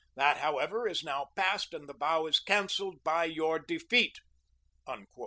That, however, is now past, and the vow is canceled by your defeat."